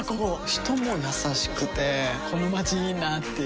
人も優しくてこのまちいいなぁっていう